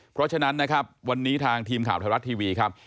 เพราะฉะนั้นนะครับวันนี้ทางทีมข่าวไทยรัฐทีวีครับ